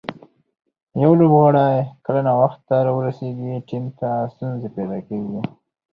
یو لوبغاړی کله ناوخته راورسېږي، ټیم ته ستونزه پېدا کیږي.